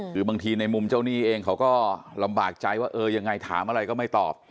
คือบางทีในมุมเจ้าหนี้เองเขาก็ลำบากใจว่าเออยังไงถามอะไรก็ไม่ตอบ